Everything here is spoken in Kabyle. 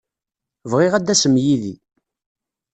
Bɣiɣ ad d-tasem yid-i.